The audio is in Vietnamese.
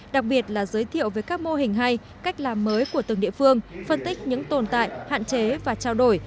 đặc biệt là giới thiệu về các mô hình hay cách làm mới của từng địa phương phân tích những tồn tại hạn chế và trao đổi